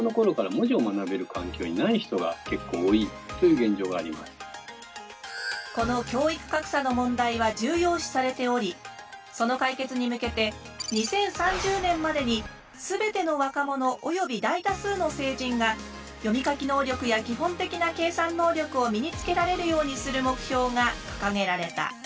原因の一つとしてはこの教育格差の問題は重要視されておりその解決に向けて２０３０年までに全ての若者および大多数の成人が読み書き能力や基本的な計算能力を身につけられるようにする目標が掲げられた。